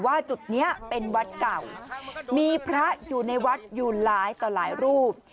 จุดนี้เป็นวัดเก่ามีพระอยู่ในวัดอยู่หลายต่อหลายรูป